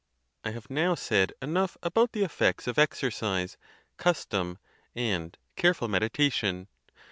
I have now said enough about the effects of ex ercise, custom, and careful meditation.